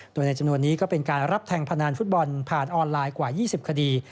โดยในจำนวนนี้ก็เป็นการรับแทงพนันฟุตบอลผ่านออนไลน์กว่า๒๐คดี